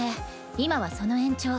今はその延長。